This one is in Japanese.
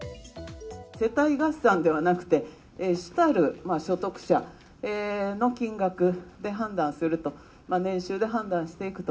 世帯合算ではなくて、主たる所得者の金額で判断すると、年収で判断していくと。